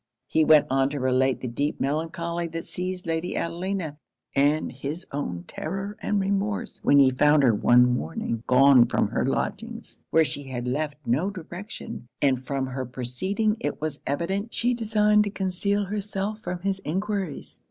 He went on to relate the deep melancholy that seized Lady Adelina; and his own terror and remorse when he found her one morning gone from her lodgings, where she had left no direction; and from her proceeding it was evident she designed to conceal herself from his enquiries.